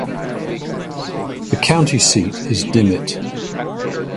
The county seat is Dimmitt.